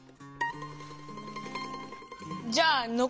じゃあの